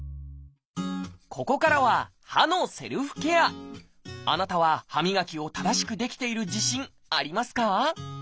ここからはあなたは歯磨きを正しくできている自信ありますか？